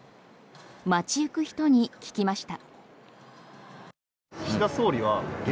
街行く人に聞きました。